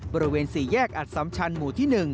บริเวณสี่แยกอัดซ้ำชันหมู่ที่๑